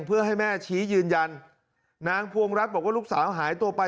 เพื่อให้แม่ชี้ยืนยันนางพวงรัฐบอกว่าลูกสาวหายตัวไป